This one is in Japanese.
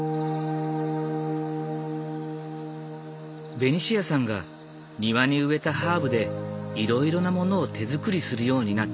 ベニシアさんが庭に植えたハーブでいろいろなものを手づくりするようになったきっかけ。